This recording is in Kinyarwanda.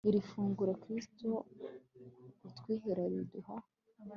iri funguro kristu utwihera riduha